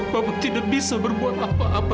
bapak tidak bisa berbuat apa apa